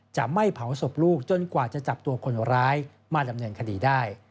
จะไม่เผาศพลูกจนกว่าจะจับตัวคนร้ายมาดำเนินคดีได้